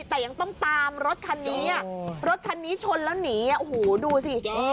แต่ยังต้องตามรถคันนี้อ่ะรถคันนี้ชนแล้วหนีโอ้โหดูสิ